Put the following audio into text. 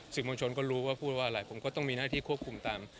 สื่อมวลชนก็รู้ว่าพูดว่าอะไรผมก็ต้องมีหน้าที่ควบคุมตาม